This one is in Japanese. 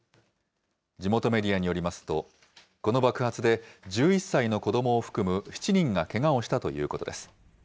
地元メディアによりますと、この爆発で、１１歳の子どもを含む７人がけがをしたということです。